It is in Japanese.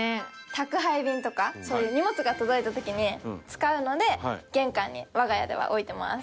宅配便とかそういう荷物が届いた時に使うので玄関に我が家では置いてます。